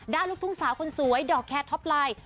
ลูกทุ่งสาวคนสวยดอกแคร์ท็อปไลน์